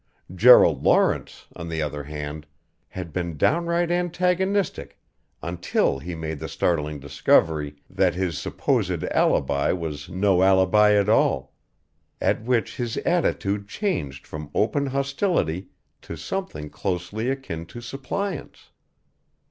Gerald Lawrence, on the other hand, had been downright antagonistic until he made the startling discovery that his supposed alibi was no alibi at all at which his attitude changed from open hostility to something closely akin to suppliance.